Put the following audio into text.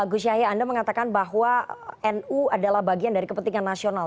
gus yahya anda mengatakan bahwa nu adalah bagian dari kepentingan nasional